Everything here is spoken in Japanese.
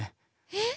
えっ？